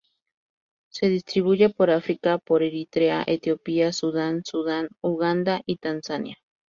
Se distribuye por África por Eritrea, Etiopía, Sudán, Sudán, Uganda y Tanzania.